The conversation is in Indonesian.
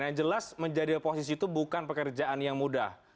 yang jelas menjadi oposisi itu bukan pekerjaan yang mudah